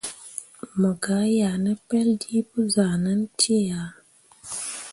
Mo gah yeah ne peljii pə zahʼnan cee ahe.